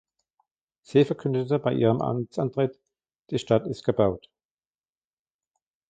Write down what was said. Sie verkündete bei ihrem Amtsantritt: «Die Stadt ist gebaut.